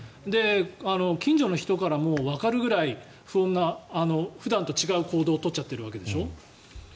近所の人からもわかるくらい普段と違う行動を取っちゃってるわけでしょ？